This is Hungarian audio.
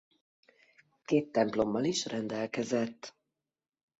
Két templommal is rendelkezett.